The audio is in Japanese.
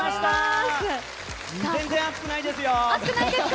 全然、暑くないですよ。